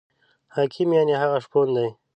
حاکم یعنې هغه شپون دی.